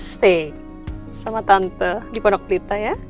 steak sama tante di pondok pelita ya